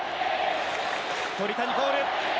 鳥谷コール！